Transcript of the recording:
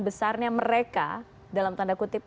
besarnya mereka dalam tanda kutip